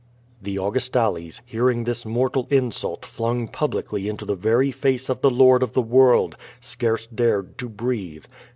The Augustales, hearing this mortal insult flung publicly into the very face of the lord of the world, scarce dared to breathe.